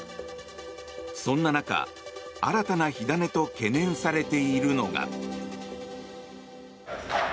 そんな中、新たな火種と懸念されているのが。